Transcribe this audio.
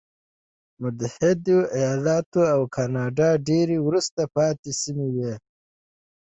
متحده ایالات او کاناډا ډېرې وروسته پاتې سیمې وې.